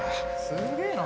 すげえな。